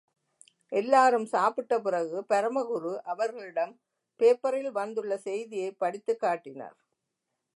எல்லாரும் சாப்பிட்ட பிறகு, பரமகுரு அவர்களிடம் பேப்பரில் வந்துள்ள செய்தியைப் படித்துக் காட்டினார்.